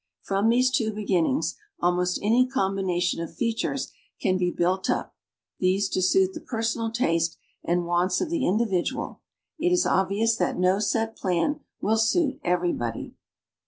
From these two beginnings almost any combination of features can be built up, these to suit tlie personal taste and wants of the individual. It is obvious that no set plan will suit everybody.